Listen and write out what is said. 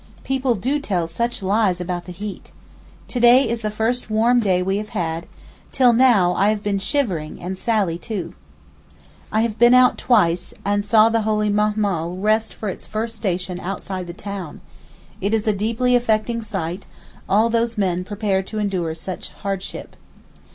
People do tell such lies about the heat. To day is the first warm day we have had; till now I have been shivering, and Sally too. I have been out twice, and saw the holy Mahmaal rest for its first station outside the town, it is a deeply affecting sight—all those men prepared to endure such hardship.